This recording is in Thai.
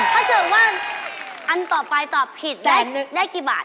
ถ้าเกิดว่าอันต่อไปตอบผิดได้กี่บาท